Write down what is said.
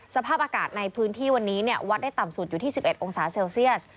สภาพอากาศในพื้นที่วันนี้วัดได้ต่ำสุดอยู่ที่๑๑องศาเซลเซียส